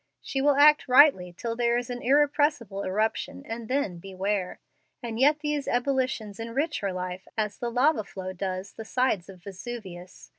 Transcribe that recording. She will act rightly till there is an irrepressible irruption, and then, beware. And yet these ebullitions enrich her life as the lava flow does the sides of Vesuvius.